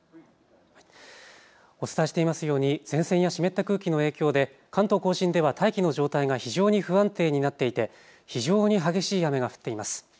お伝えしていますように前線や湿った空気の影響で関東甲信では大気の状態が非常に不安定になっていて非常に激しい雨が降っています。